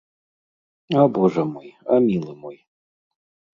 А божа мой, а мілы мой!